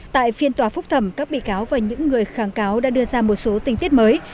tại phiên tòa phúc thẩm các bị cáo và những người kháng cáo đã đưa ra một số tình tiết mới